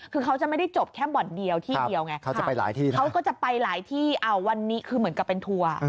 คือเขาจะไม่ได้จบแค่บ่นเดียวที่เดียวไงเขาก็จะไปหลายที่เอาวันนี้คือเหมือนกับเป็นทัวร์